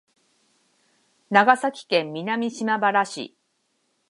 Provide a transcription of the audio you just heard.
長崎県南島原市